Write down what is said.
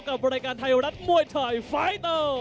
กับบริการไทยรัฐมวยชายฟายเตอร์